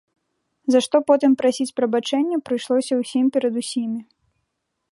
За што потым прасіць прабачэння прыйшлося ўсім перад усімі.